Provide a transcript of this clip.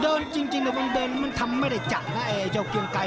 จริงแต่มันเดินมันทำไม่ได้จัดนะไอ้เจ้าเกียงไกร